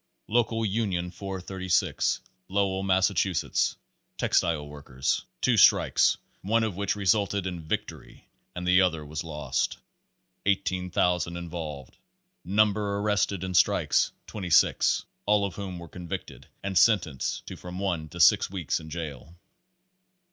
Local Union 436, Lowell, Massachusetts, Textile Workers. Two strikes, one of which resulted in victory and the other was lost; 18,000 involved. Number ar rested in strikes 26, all of whom were convicted and sentenced to from one to six weeks in jail.